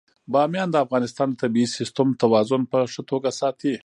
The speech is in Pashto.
بامیان د افغانستان د طبعي سیسټم توازن په ښه توګه ساتي.